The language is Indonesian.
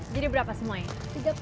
jadi berapa semuanya